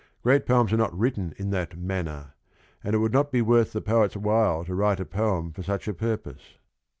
Great poems are not written in that manner, and it would not be worth the poet's while to write a poem for such a purpose.